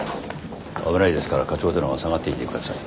危ないですから課長殿は下がっていて下さい。